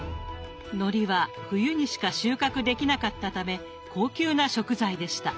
のりは冬にしか収穫できなかったため高級な食材でした。